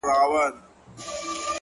o ستا د ميني پـــه كـــورگـــي كـــــي،